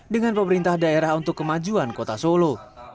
dengan pemerintah daerah untuk kemajuan kota solo